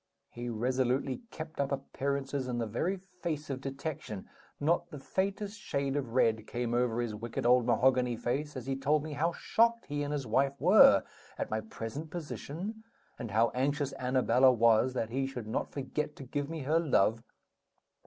He resolutely kept up appearances in the very face of detection; not the faintest shade of red came over his wicked old mahogany face as he told me how shocked he and his wife were at my present position, and how anxious Annabella was that he should not forget to give me her love.